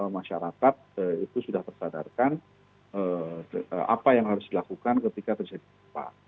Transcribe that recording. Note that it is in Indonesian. masyarakat itu sudah tersadarkan apa yang harus dilakukan ketika terjadi gempa